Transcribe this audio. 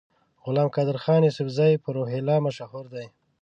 غلام قادرخان یوسفزي په روهیله مشهور دی.